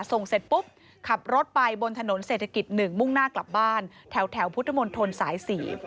ส่งเสร็จปุ๊บขับรถไปบนถนนเศรษฐกิจ๑มุ่งหน้ากลับบ้านแถวพุทธมนต์ทนสายสี